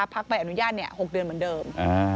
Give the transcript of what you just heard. ใบอนุญาต๖เดือนเหมือนเดิม